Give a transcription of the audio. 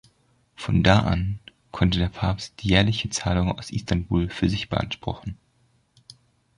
Von da an konnte der Papst die jährliche Zahlung aus Istanbul für sich beanspruchen.